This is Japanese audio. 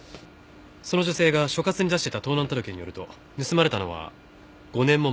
その女性が所轄に出してた盗難届によると盗まれたのは５年も前だった。